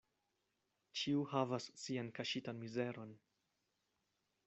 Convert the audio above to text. Ĉiu havas sian kaŝitan mizeron.